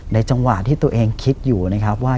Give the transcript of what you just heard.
จังหวะที่ตัวเองคิดอยู่นะครับว่า